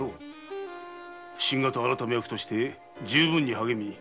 普請方改め役として十分に励み